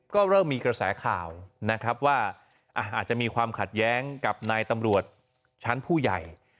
ก็เริ่มมีกระแสข่าวนะครับว่าอาจจะมีความขัดแย้งกับนายตำรวจชั้นผู้ใหญ่